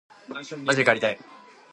まじで帰りたい